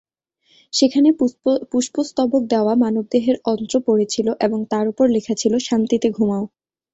সেখানে পুষ্প স্তবক দেওয়া মানব দেহের অন্ত্র পড়েছিল এবং তার ওপর লেখা ছিল -'শান্তিতে ঘুমাও'।